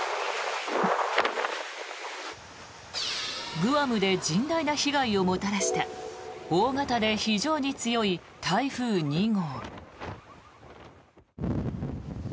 グアムで甚大な被害をもたらした大型で非常に強い台風２号。